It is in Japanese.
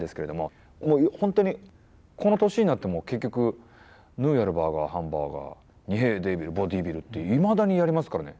この年になっても結局「ヌーヤルバーガーハンバーガー」「ニフェーデービルボディービル」っていまだにやりますからね。